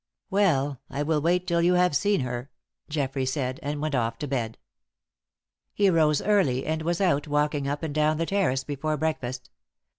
"Well, I will wait till you have seen her," Geoffrey said, and went off to bed. He rose early, and was out walking up and down the terrace before breakfast.